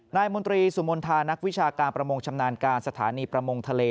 มนตรีสุมนธานักวิชาการประมงชำนาญการสถานีประมงทะเล